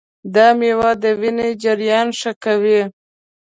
دا مېوه د وینې جریان ښه کوي.